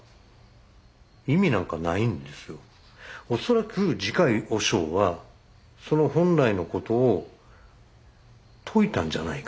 恐らく慈海和尚はその本来のことを説いたんじゃないかと。